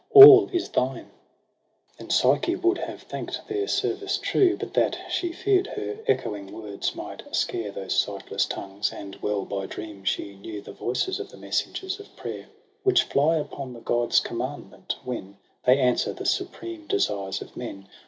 all (g tjine, MAY loi iz Then Psyche would have thank'd their service true, But that she fear'd her echoing words might scare Those sightless tongues j and well by dream she knew The voices of the messengers of prayer, Which fly upon the gods' commandment, when They answer the supreme desires of men.